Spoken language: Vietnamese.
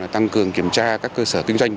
tăng cường kiểm tra các cơ sở kinh doanh